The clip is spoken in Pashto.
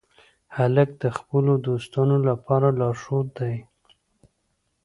هلک د خپلو دوستانو لپاره لارښود دی.